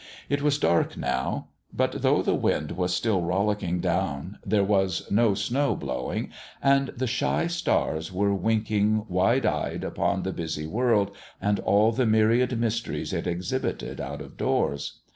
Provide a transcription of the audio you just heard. It was dark, now ; but though the wind was still rollicking down there was no snow blowing, and the shy stars were winking wide eyed upon the busy world and all the myriad mysteries it exhibited out of doors.